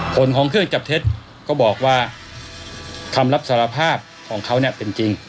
ของเครื่องจับเท็จก็บอกว่าคำรับสารภาพของเขาเนี่ยเป็นจริง